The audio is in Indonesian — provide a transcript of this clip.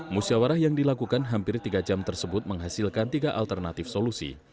musyawarah yang dilakukan hampir tiga jam tersebut menghasilkan tiga alternatif solusi